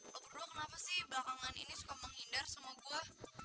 aku berdua kenapa sih belakangan ini suka menghindar sama gue